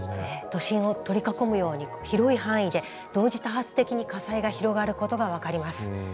都心を取り囲むように広い範囲で同時多発的に火災が広がることが分かります。